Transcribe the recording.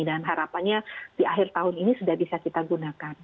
dan harapannya di akhir tahun ini sudah bisa kita gunakan